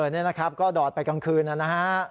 นี่นะครับก็ดอดไปกลางคืนนะฮะ